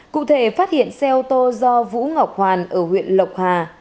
cụ thể phát hiện xe ô tô do vũ ngọc hoàn ở huyện lộc hà